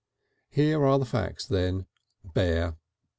Here are the facts then bare.